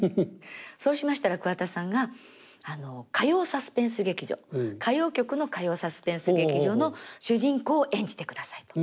そうしましたら桑田さんが「歌謡サスペンス劇場」歌謡曲の「歌謡サスペンス劇場」の主人公を演じてくださいと。